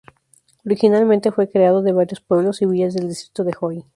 Originalmente fue creado de varios pueblos y villas del distrito de Hoi.